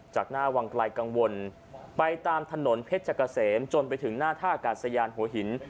จากหน้าวังไกลกังวลไปตามถนนเพชรเกษมจนไปถึงหน้าท่ากาศยานหัวหิน